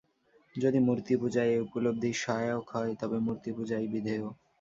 যদি মূর্তিপূজা এ উপলব্ধির সহায়ক হয়, তবে মূর্তিপূজাই বিধেয়।